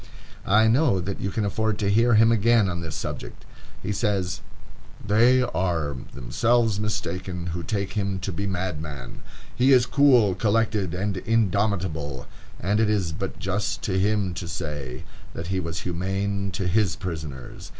I know that you can afford to hear him again on this subject. He says: "They are themselves mistaken who take him to be a madman.... He is cool, collected, and indomitable, and it is but just to him to say, that he was humane to his prisoners....